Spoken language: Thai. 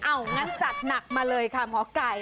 งั้นจัดหนักมาเลยค่ะหมอไก่